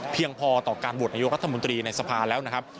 พอต่อการโหวตนายกรัฐมนตรีในสภาแล้วนะครับ